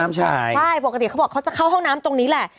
มันจะติดกับห้องน้ำใช่ใช่ปกติเขาบอกเขาจะเข้าห้องน้ำตรงนี้แหละ